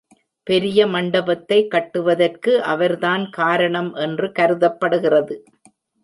பெரிய மண்டபத்தை கட்டுவதற்கு அவர்தான் காரணம் என்று கருதப்படுகிறது.